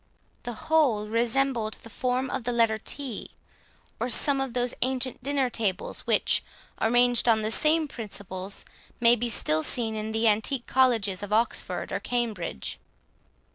The whole resembled the form of the letter T, or some of those ancient dinner tables, which, arranged on the same principles, may be still seen in the antique Colleges of Oxford or Cambridge.